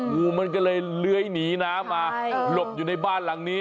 งูมันก็เลยเลื้อยหนีน้ำมาหลบอยู่ในบ้านหลังนี้